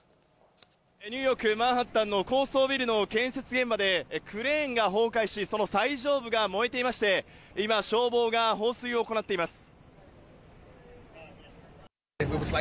ニューヨーク・マンハッタンの高層ビルの建設現場でクレーンが崩壊し、その最上部が燃えていまして、今、消防が放水を行っています。